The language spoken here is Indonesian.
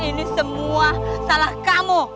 ini semua salah kamu